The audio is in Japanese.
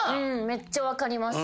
めっちゃ分かります。